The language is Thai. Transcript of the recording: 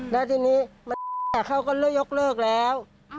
และทีนี้เขาก็ยกเลิกแล้ว